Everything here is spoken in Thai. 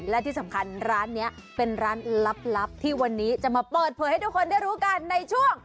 และที่สำคัญร้านนี้เป็นร้านลับที่วันนี้จะมาเปิดเผยให้ทุกคนได้รู้กันในช่วง